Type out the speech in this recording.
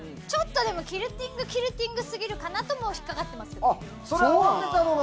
ちょっとでもキルティングキルティング過ぎるかなとも引っ掛かってますけど。